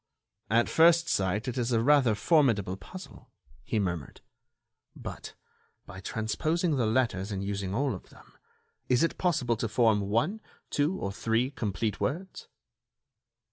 at first sight, it is a rather formidable puzzle," he murmured, "but, by transposing the letters and using all of them, is it possible to form one, two or three complete words?"